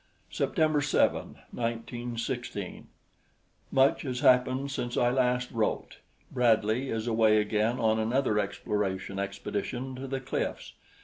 September 7, 1916: Much has happened since I last wrote. Bradley is away again on another exploration expedition to the cliffs.